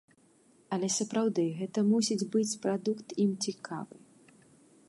Але, сапраўды, гэта мусіць быць прадукт ім цікавы.